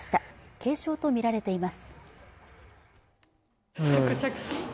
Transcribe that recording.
軽傷とみられています。